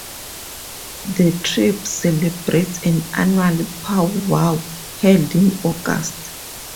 The tribe celebrates an annual pow-wow, held in August.